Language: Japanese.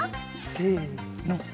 せの。